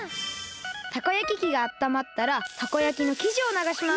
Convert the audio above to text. たこ焼き器があったまったらたこ焼きのきじをながします！